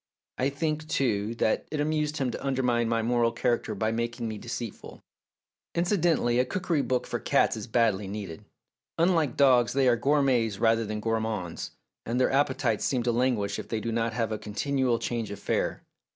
I think, too, that it amused him to undermine my moral character by making me deceitful. Incidentally, a cookery book for cats is badly needed . Unlike dogs, they are gourmets rather than gourmands, and their appetites seem to languish if they do not have a con tinual change of fare.